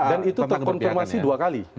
dan itu terkonfirmasi dua kali